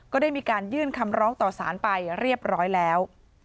ก็ได้มีการยื่นคำร้องต่อสารไปเรียบร้อยแล้ว